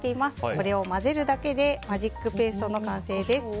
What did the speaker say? これを混ぜるだけでマジックペーストの完成です。